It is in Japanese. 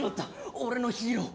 俺のヒーロー。